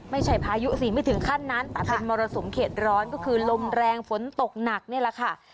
ไม่ใช่พายุสิไม่ถึงขั้นนั้นแต่ถึงมรสมเขตร้อนก็คือลมแรงฝนตกหนักเนี่ยละ